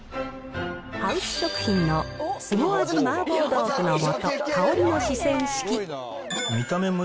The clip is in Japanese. ハウス食品の凄味麻婆豆腐の素香りの四川式。